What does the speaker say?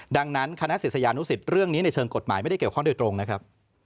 ดังนั้นคณะศิษยานุสิตเรื่องนี้ในเชิงกฎหมายไม่ได้เกี่ยวข้องโดยตรงนะครับ